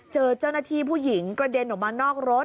เจอเจ้าหน้าที่ผู้หญิงกระเด็นออกมานอกรถ